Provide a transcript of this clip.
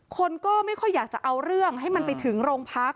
คนก็ไม่ค่อยอยากจะเอาเรื่องให้มันไปถึงโรงพัก